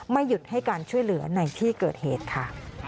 หยุดให้การช่วยเหลือในที่เกิดเหตุค่ะ